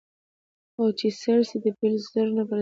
او چي سېل سي د پیل زور نه په رسیږي